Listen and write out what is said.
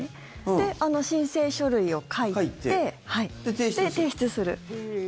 で、申請書類を書いて提出する。